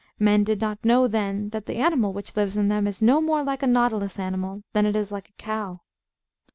Men did not know then that the animal which lives in them is no more like a Nautilus animal than it is like a cow.